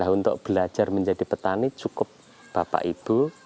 untuk belajar menjadi petani cukup bapak ibu